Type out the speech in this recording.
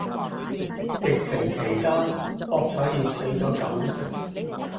疫情期間博彩業死咗九成